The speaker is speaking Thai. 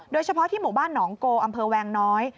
โดยเฉพาะที่หมู่บ้านหนองโกอำเภอแวงน้อย